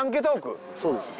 そうですね。